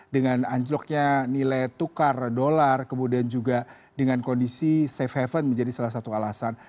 dengan anjloknya nilai tukar dolar kemudian juga dengan kondisi safe haven menjadi salah satu alasan